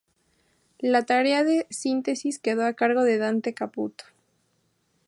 La tarea de síntesis quedó a cargo de Dante Caputo.